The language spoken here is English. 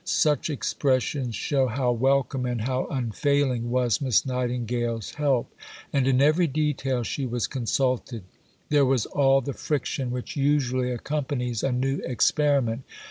Such expressions show how welcome and how unfailing was Miss Nightingale's help. And in every detail she was consulted. There was all the friction which usually accompanies a new experiment.